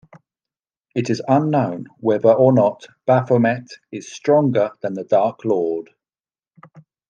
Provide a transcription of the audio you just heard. It is unknown whether or not Baphomet is stronger than the Dark Lord.